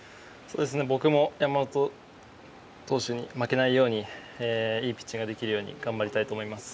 僕も山本投手に負けないようにいいピッチングができるよう頑張りたいと思います。